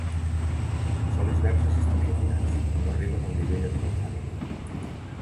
Els olis verges estan refinats, però no arriben al nivell alimentari.